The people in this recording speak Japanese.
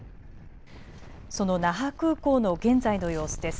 その那覇空港の現在の様子です。